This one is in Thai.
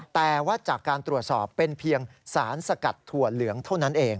แต่ว่าจากการตรวจสอบเป็นเพียงสารสกัดถั่วเหลืองเท่านั้นเอง